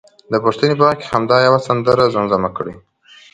د پوښتنې په وخت کې همدا یوه سندره زمزمه کړي.